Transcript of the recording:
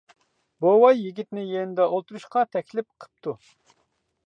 بوۋاي يىگىتنى يېنىدا ئولتۇرۇشقا تەكلىپ قىپتۇ.